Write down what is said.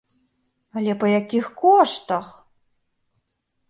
Але па якіх коштах!